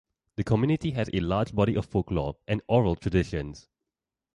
The community has a large body of folklore and oral traditions.